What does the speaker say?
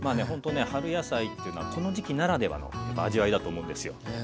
ほんとね春野菜っていうのはこの時期ならではの味わいだと思うんですよ。